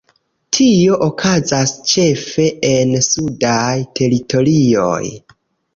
Tio okazas ĉefe en sudaj teritorioj.